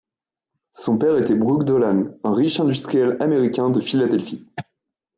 Son père était Brooke Dolan, un riche industriel américain de Philadelphie.